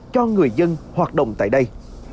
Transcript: cho người dân hoạt động tại đây